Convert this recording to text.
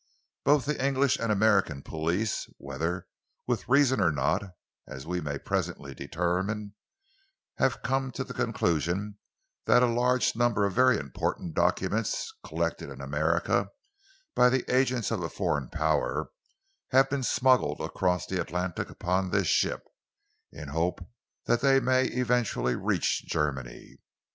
Both the English and the American police, whether with reason or not, as we may presently determine, have come to the conclusion that a large number of very important documents, collected in America by the agents of a foreign power, have been smuggled across the Atlantic upon this ship, in the hope that they may eventually reach Germany.